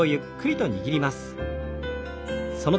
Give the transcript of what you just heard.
はい。